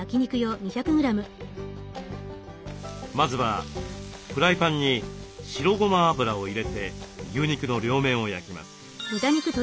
まずはフライパンに白ごま油を入れて牛肉の両面を焼きます。